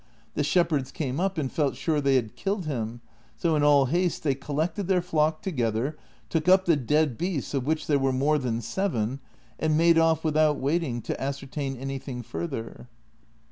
The shepherds came up, and felt sure they had killed him ; so in all haste they collected their flock together, took up the dead beasts, of which there were more than seven, and made oft' without waiting to ascer tain anything further.